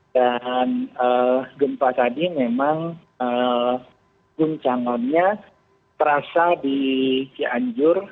dan gempa tadi memang guncangannya terasa di kianjur